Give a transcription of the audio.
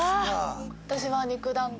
私は肉団子。